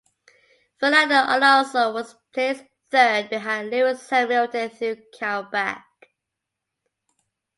Fernando Alonso was placed third, behind Lewis Hamilton through countback.